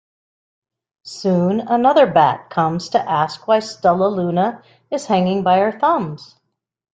Soon another bat comes to ask why Stellaluna is hanging by her thumbs.